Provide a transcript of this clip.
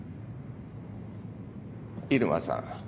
入間さん。